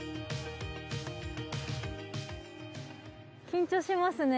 緊張しますね。